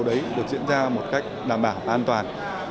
được diễn ra một cách đảm bảo an toàn